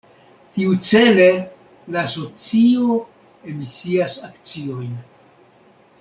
Tiucele la asocio emisias akciojn.